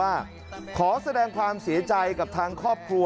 และก็มีการกินยาละลายริ่มเลือดแล้วก็ยาละลายขายมันมาเลยตลอดครับ